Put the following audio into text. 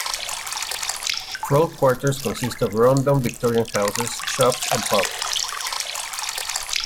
Prole quarters consist of rundown Victorian houses, shops and pubs.